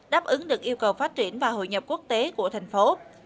đáp ứng được yêu cầu phát triển và hội nhập quốc tế của thành phố